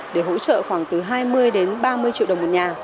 để hỗ trợ khoảng từ hai mươi đến ba mươi triệu đồng một nhà